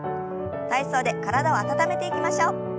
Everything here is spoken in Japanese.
体操で体を温めていきましょう。